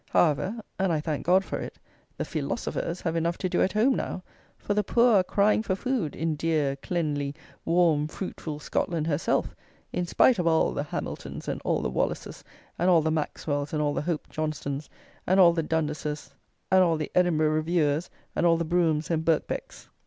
However (and I thank God for it), the feelosofers have enough to do at home now; for the poor are crying for food in dear, cleanly, warm, fruitful Scotland herself, in spite of a' the Hamiltons and a' the Wallaces and a' the Maxwells and a' the Hope Johnstones and a' the Dundases and a' the Edinbro' Reviewers and a' the Broughams and Birckbecks.